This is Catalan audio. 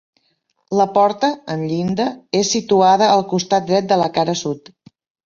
La porta, amb llinda, és situada al costat dret de la cara sud.